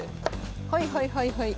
はいはいはいはい。